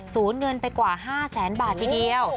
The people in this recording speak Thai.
เงินไปกว่า๕แสนบาททีเดียว